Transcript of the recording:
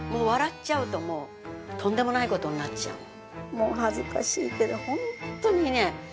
もう恥ずかしいけどホントにね嫌です。